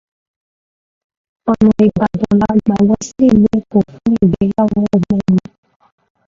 Ọ̀nà Ìbàdàn la gbà lọ sí ìlú Èkó fún ìgbéyàwó ẹ̀gbọ́n mi.